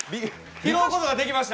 拾うことができました。